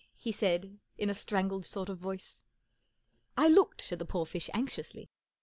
" he said, in a strangled sort of voice. I looked at the poor fish anxiously.